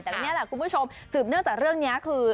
แต่นี่แหละคุณผู้ชมสืบเนื่องจากเรื่องนี้คือ